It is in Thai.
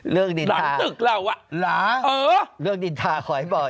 เรื่องดินทาหลานตึกเราอะหลานเออเรื่องดินทาขอให้บอก